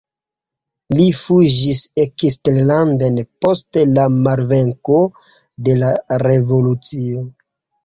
Li fuĝis eksterlanden post la malvenko de la revolucio.